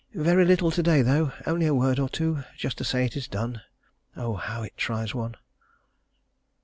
Very little to day though; only a word or two, just to say it is done. Oh, how it tries one!